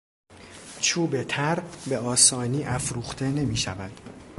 چوبتر به آسانی افروخته نمیشود.